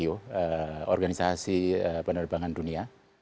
organisasi penerbangan dunia